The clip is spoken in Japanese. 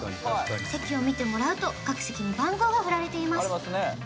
席をみてもらうと各席に番号がふられています